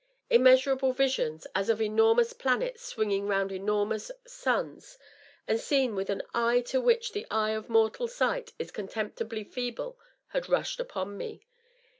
Im measurable visions, as of enormous planets swinging round enormous suns, and seen with an eye to which the eye of mortal sight is con temptibly feeble, had rushed upon me.